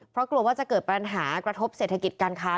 เพราะกลัวว่าจะเกิดปัญหากระทบเศรษฐกิจการค้า